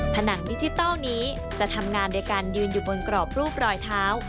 ผนังดิจิทัลนี้จะทำงานโดยการยืนอยู่บนกรอบรูปรอยเท้า